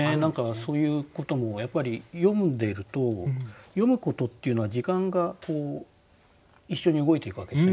そういうこともやっぱり読んでると読むことっていうのは時間が一緒に動いていくわけですよね